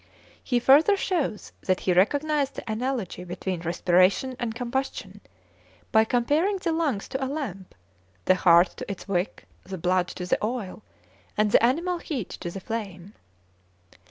He further shows that he recognized the analogy between respiration and combustion, by comparing the lungs to a lamp, the heart to its wick, the blood to the oil, and the animal heat to the flame.